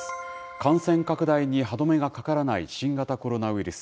感染拡大に歯止めがかからない新型コロナウイルス。